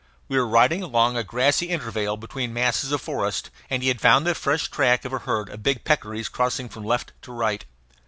We were riding along a grassy intervale between masses of forest, and he had found the fresh track of a herd of big peccaries crossing from left to right.